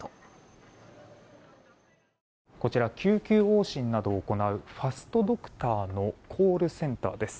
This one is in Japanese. こちら救急往診などを行うファストドクターのコールセンターです。